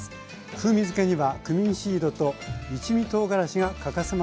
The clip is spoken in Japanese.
風味づけにはクミンシードと一味とうがらしが欠かせません。